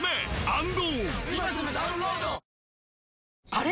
あれ？